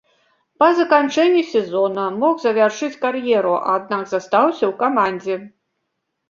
Па заканчэнні сезона мог завяршыць кар'еру, аднак застаўся ў камандзе.